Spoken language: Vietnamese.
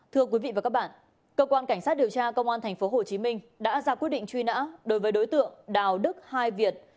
thưa quý vị và các bạn cơ quan cảnh sát điều tra công an tp hcm đã ra quyết định truy nã đối với đối tượng đào đức hai việt